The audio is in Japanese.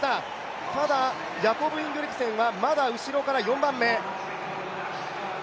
ヤコブ・インゲブリクセンはまだ後ろから４番目。